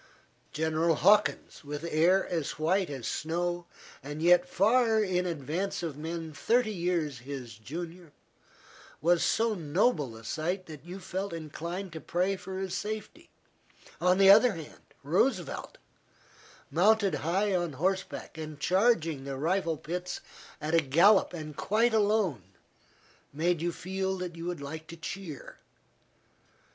General Hawkins, with hair as white as snow, and yet far in advance of men thirty years his junior, was so noble a sight that you felt inclined to pray for his safety; on the other hand, Roosevelt, mounted high on horseback, and charging the rifle pits at a gallop and quite alone, made you feel that you would like to cheer.